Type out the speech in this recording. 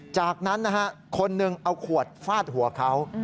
จากนั้นนะฮะคนหนึ่งเอาขวดฟาดหัวเขา